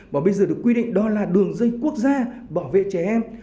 và bây giờ được quy định đó là đường dây quốc gia bảo vệ trẻ em